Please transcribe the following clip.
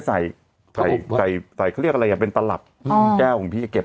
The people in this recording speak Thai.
ใส่ใส่ใส่เขาเรียกอะไรอ่ะเป็นตลับแก้วของพี่เก็บ